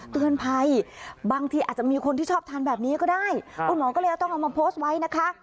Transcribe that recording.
เตือนภัยบางทีอาจจะมีคนที่ชอบทานแบบนี้ก็ได้คุณหมอก็เลยต้องเอามาโพสต์ไว้นะคะ